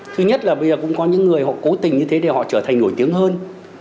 thứ nhất là bây giờ cũng có những người họ cố tình như thế để họ trở thành nổi tiếng hơn